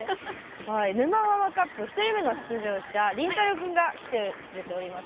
「沼ハマカップ」１人目の出場者リンタロウ君が来てくれております。